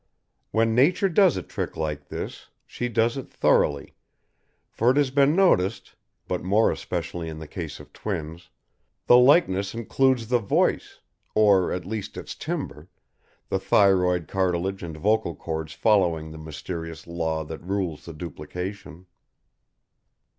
When nature does a trick like this, she does it thoroughly, for it has been noticed but more especially in the case of twins the likeness includes the voice, or at least its timbre, the thyroid cartilage and vocal chords following the mysterious law that rules the duplication.